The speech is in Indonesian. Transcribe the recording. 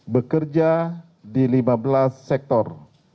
bekerja di lima belas sektor